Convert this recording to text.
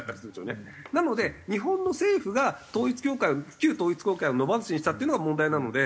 なので日本の政府が統一教会を旧統一教会を野放しにしたっていうのが問題なので。